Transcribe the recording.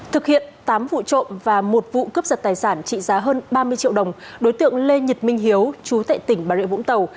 thực hiện tám vụ trộm và một vụ cướp giật tài sản trị giá hơn ba mươi triệu đồng đối tượng lê nhật minh hiếu chú tại tỉnh bà rịa vũng tàu